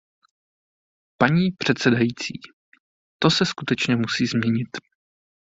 Paní předsedající, to se skutečně musí změnit.